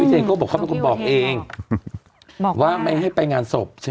วัตเทย์ก็บอกครับมันบอกเองบอกว่าไม่ให้ไปงานศพใช่